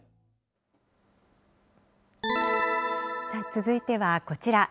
続いてはこちら。